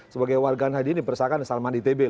sebagai warga nadi ini perusahaan salman di tb